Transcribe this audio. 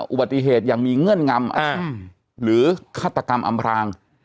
อุบัติเหตุอย่างมีเงื่อนงำหรือฆาตกรรมอำพราง